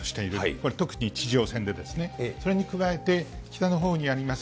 これ、特に地上戦でですね、それに加えて、北のほうにあります